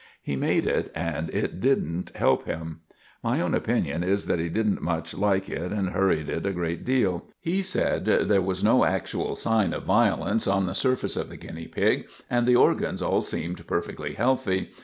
He made it, and it didn't help him. My own opinion is that he didn't much like it and hurried it a good deal. He said there was no actual sign of violence on the surface of the guinea pig, and the organs all seemed perfectly healthy.